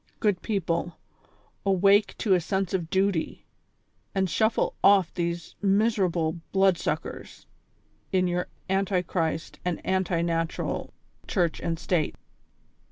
Good people, awake to a sense of duty, and shuffle off these miseral)le blood suckers in your anti Christ and anti natural church and state.